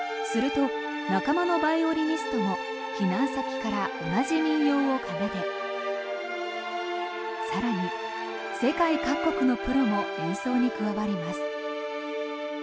すると、仲間のバイオリニストも避難先から同じ民謡を奏で更に、世界各国のプロも演奏に加わります。